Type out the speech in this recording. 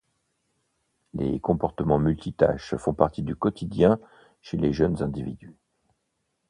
Les comportements multitâches font partie du quotidien chez les jeunes individus.